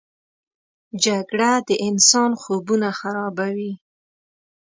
جګړه د انسان خوبونه خرابوي